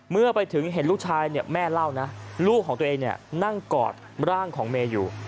เมื่อไปถึงเห็นลูกชายเนี่ยแม่เล่านะลูกของตัวเองนั่งกอดร่างของเมย์อยู่